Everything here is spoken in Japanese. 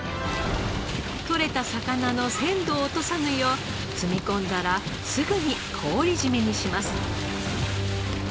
取れた魚の鮮度を落とさぬよう積み込んだらすぐに氷締めにします。